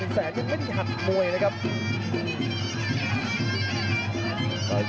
แซนยังไม่ทำจบทไหรฟ์